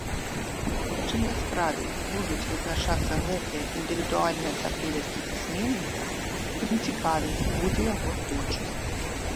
Чым яскравей будуць вызначацца гэтыя індывідуальныя асаблівасці пісьменніка, тым цікавей будзе яго творчасць.